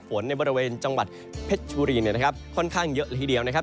ฝนในบริเวณจังหวัดเพชรบุรีเนี่ยนะครับค่อนข้างเยอะละทีเดียวนะครับ